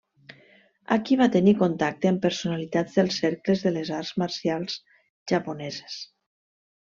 Aquí va tenir contacte amb personalitats dels cercles de les arts marcials japoneses.